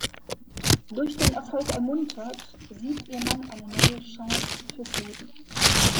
Durch den Erfolg ermuntert, sieht ihr Mann eine neue Chance fürs Leben.